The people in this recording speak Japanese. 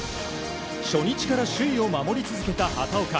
初日から首位を守り続けた畑岡。